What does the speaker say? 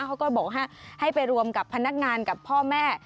เขาก็บอกว่าให้ไปรวมกับพนักงานกับพ่อแม่